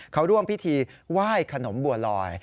เขาร่วมพิธีไหว้ขนมบัวลอย